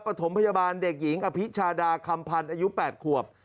ปฐมพยาบาลเด็กหญิงอภิชาดาคำพันธ์อายุ๘ขวบ